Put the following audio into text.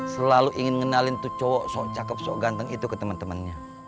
selalu ingin ngenalin tuh cowok sok cakep sok ganteng itu ke temen temennya